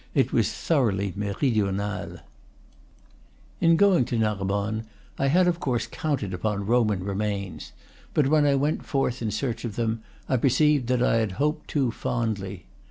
It was thoroughly meri dional. In going to Narbonne I had of course counted upon Roman remains; but when I went forth in search of them I perceived that I had hoped too fondly.